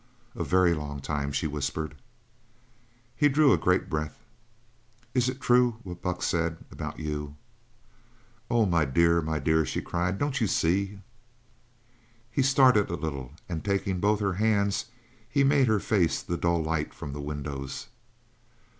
"A very long time," she whispered. He drew a great breath. "Is it true, what Buck said? About you?" "Oh, my dear, my dear!" she cried. "Don't you see?" He started a little, and taking both her hands he made her face the dull light from the windows.